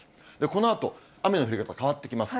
このあと、雨の降り方、変わってきます。